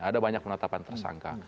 ada banyak penetapan tersangka